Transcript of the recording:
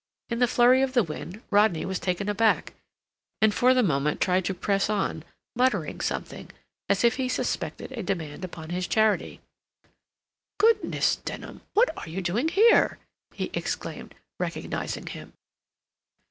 In the flurry of the wind Rodney was taken aback, and for the moment tried to press on, muttering something, as if he suspected a demand upon his charity. "Goodness, Denham, what are you doing here?" he exclaimed, recognizing him.